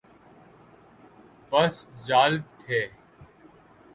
بس جالب تھے